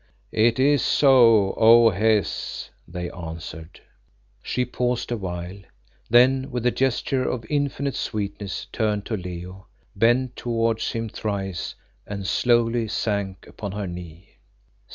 "It is so, O Hes," they answered. She paused a while, then with a gesture of infinite sweetness turned to Leo, bent towards him thrice and slowly sank upon her knee.